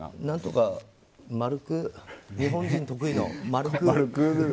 何とか丸く日本人得意の丸く。